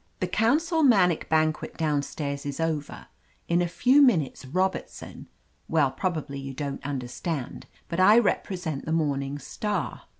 The council manic banquet down stairs is over; in a few minutes Robertson — ^well, probably you don't understand, but I represent the Morning Star.